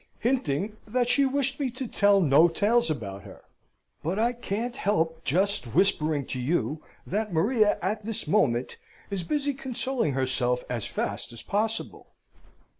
hinting that she wished me to tell no tales about her: but I can't help just whispering to you that Maria at this moment is busy consoling herself as fast as possible.